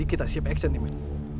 jadi kita siap akses nih men